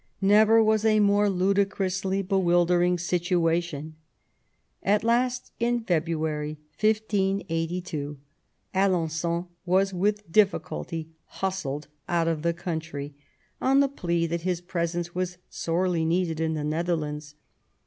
Never was a more ludicrously bewildering situation. At last, in February, 1582, Alen9on was with diffi culty hustled out of the country, on the plea that his presence was sorely needed in the Netherlands.